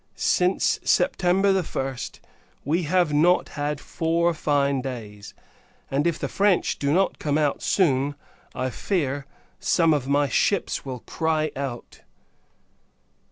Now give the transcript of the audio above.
Since September 1st, we have not had four fine days; and, if the French do not come out soon, I fear, some of my ships will cry out.